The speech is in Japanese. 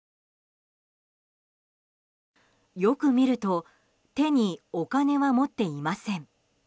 よく見ると手にお金は持っていません。